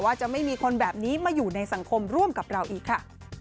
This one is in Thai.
จะไม่มีคนแบบนี้มาอยู่ในสังคมร่วมกับเราอีกค่ะ